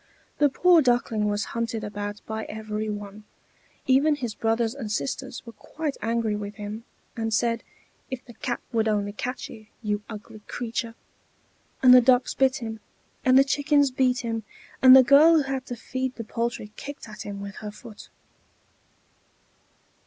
The poor Duckling was hunted about by every one; even his brothers and sisters were quite angry with him, and said, "If the cat would only catch you, you ugly creature!" And the ducks bit him, and the chickens beat him, and the girl who had to feed the poultry kicked at him with her foot.